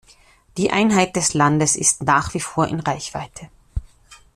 Die Einheit des Landes ist nach wie vor in Reichweite.